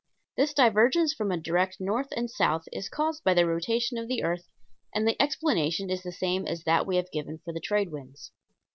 This divergence from a direct north and south is caused by the rotation of the earth and the explanation is the same as that we have given for the trade winds.